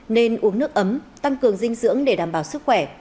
nên uống nước ấm tăng cường dinh dưỡng để đảm bảo sức khỏe